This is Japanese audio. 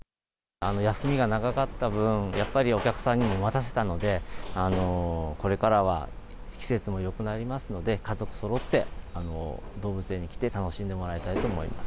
休みが長かった分、やっぱり、お客さんにも待たせたので、これからは季節もよくなりますので、家族そろって、動物園に来て、楽しんでもらいたいと思います。